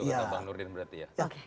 kata bang nurdin berarti ya